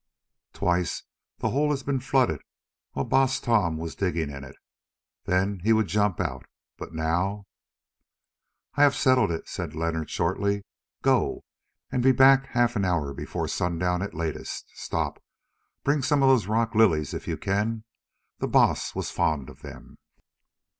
Twice that hole has been flooded while Baas Tom was digging in it. Then he would jump out, but now——" "I have settled it," said Leonard shortly; "go, and be back half an hour before sundown at latest. Stop! Bring some of those rock lilies if you can. The Baas was fond of them."